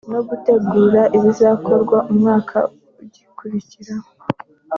no gutegura ibizakorwa umwaka ukurikiyeho